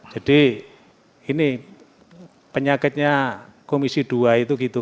jadi ini penyakitnya komisi dua itu gitu